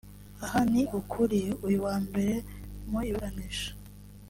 Aha ni kuri uyu wa mbere mu iburanisha